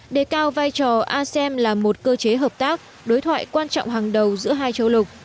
đề cao vai trò asem là một cơ chế hợp tác đối thoại quan trọng hàng đầu giữa hai châu lục